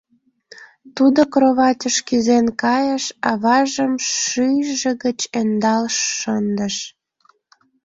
Тудо кроватьыш кӱзен кайыш, аважым шӱйжӧ гыч ӧндал шындыш.